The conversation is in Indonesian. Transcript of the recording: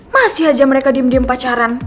masih aja mereka diem diem pacaran